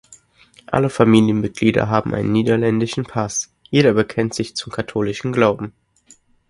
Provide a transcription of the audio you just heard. Alle Familienmitglieder haben einen niederländischen Pass, jeder bekennt sich zum katholischen Glauben.